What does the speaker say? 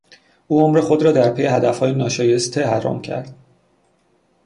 او عمر خود را در پی هدفهای ناشایسته حرام کرد.